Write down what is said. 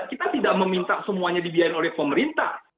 kita tidak meminta semuanya dibiayain oleh pemerintah